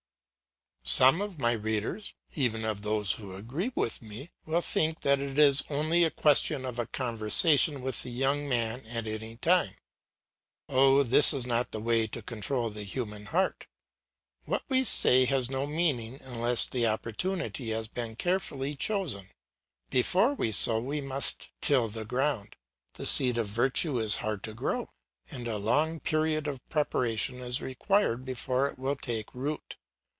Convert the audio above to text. Some of my readers, even of those who agree with me, will think that it is only a question of a conversation with the young man at any time. Oh, this is not the way to control the human heart. What we say has no meaning unless the opportunity has been carefully chosen. Before we sow we must till the ground; the seed of virtue is hard to grow; and a long period of preparation is required before it will take root.